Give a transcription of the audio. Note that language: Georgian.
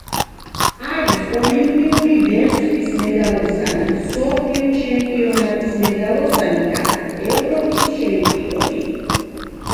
არის ოლიმპიური ვერცხლის მედალოსანი, მსოფლიო ჩემპიონატის მედალოსანი და ევროპის ჩემპიონი.